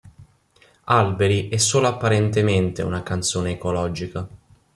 Alberi è solo apparentemente una canzone ecologica.